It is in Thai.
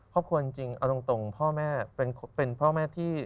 ครอบครัวจริงเอาตรงพ่อแม่เป็นพ่อแม่ที่